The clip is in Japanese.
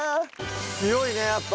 強いねやっぱ。